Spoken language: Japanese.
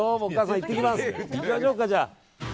行きましょうか、じゃあ。